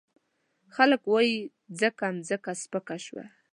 خلګ وايي ځکه مځکه سپکه شوه.